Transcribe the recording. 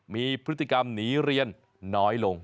มีพฤติกรรมหนีเรียนน้อยลง